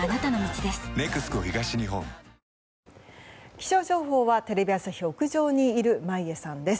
気象情報はテレビ朝日屋上の眞家さんです。